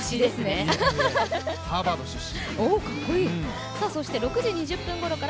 ハーバード出身。